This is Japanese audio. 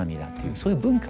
そういう文化